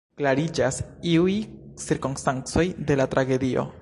Klariĝas iuj cirkonstancoj de la tragedio.